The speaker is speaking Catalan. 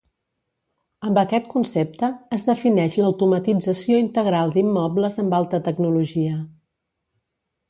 Amb aquest concepte, es defineix l'automatització integral d'immobles amb alta tecnologia.